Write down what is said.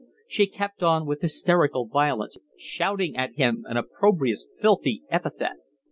She kept on, with hysterical violence, shouting at him an opprobrious, filthy epithet.